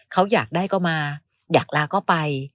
เขาอยากได้ก็มาอยากลาก็ไป